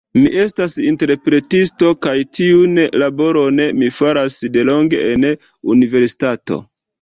Mi estas interpretisto kaj tiun laboron mi faras delonge en universitato.